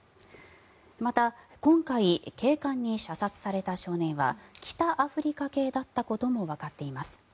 また、今回警官に射殺された少年は北アフリカ系だったこともわかっています。